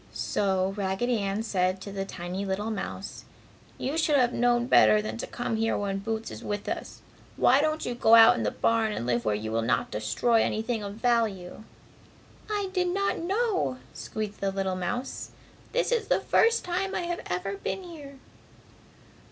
So, Raggedy Ann said to the tiny little mouse, "You should have known better than to come here when Boots is with us. Why don't you go out in the barn and live where you will not destroy anything of value?" "I did not know!" squeaked the little mouse, "This is the first time I have ever been here!"